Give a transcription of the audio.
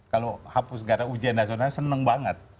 kalau hapus gara ujian nasional seneng banget